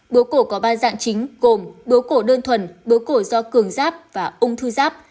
bướu cổ có ba dạng chính gồm bướu cổ đơn thuần bướu cổ do cường giáp và ung thư giáp